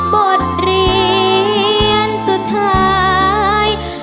บทเรียนสุดท้าย